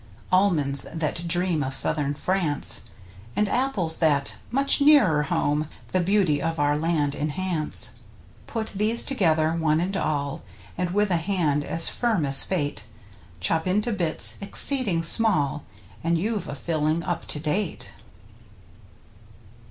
Almonds that dream of southern France, And apples that, much nearer home, The beauty of our land enliance. Put these together, one and all, And, with a hand as firm as fate. Chop into bits " exceeding small "— And you've a filling up to date.